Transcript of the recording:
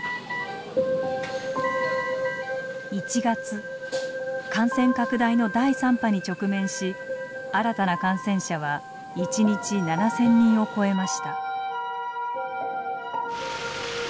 １月感染拡大の第３波に直面し新たな感染者は一日７，０００人を超えました。